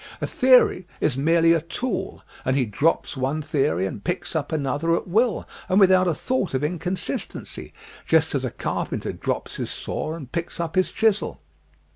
A theory is merely a tool, and he drops one theory and picks up another at will and without a thought of inconsistency, just as a car penter drops his saw and picks up his chisel.